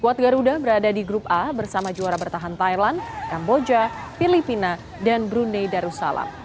kuat garuda berada di grup a bersama juara bertahan thailand kamboja filipina dan brunei darussalam